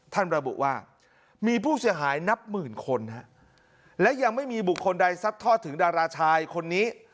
ระบุว่ามีผู้เสียหายนับหมื่นคนฮะและยังไม่มีบุคคลใดซัดทอดถึงดาราชายคนนี้